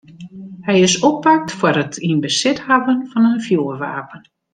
Hy is oppakt foar it yn besit hawwen fan in fjoerwapen.